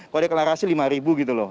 kalau deklarasi lima ribu gitu loh